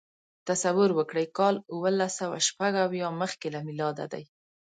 تصور وکړئ کال اوولسسوهشپږاویا مخکې له میلاده دی.